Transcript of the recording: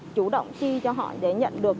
chủ động chi cho họ để nhận được